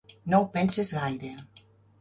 No ho penses gaire.